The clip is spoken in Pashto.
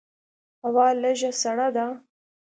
هوا لږه سړه ده.